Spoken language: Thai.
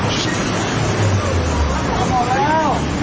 ขอบคุณครับขอบคุณครับ